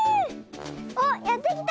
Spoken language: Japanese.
おっやってきた！